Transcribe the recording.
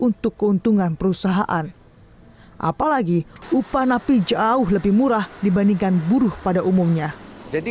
untuk keuntungan perusahaan apalagi upah napi jauh lebih murah dibandingkan buruh pada umumnya jadi